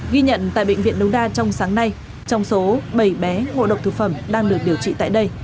ghi nhận tại bệnh viện đu đa trong sáng nay trong số bảy bé ngộ độc thực phẩm đang được điều trị tại đây